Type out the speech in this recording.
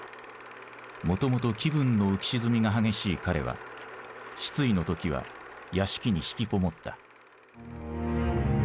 もともと気分の浮き沈みが激しい彼は失意の時は屋敷に引きこもった。